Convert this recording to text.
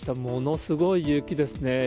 ものすごい雪ですね。